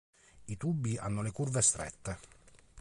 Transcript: I tubi hanno le curve strette.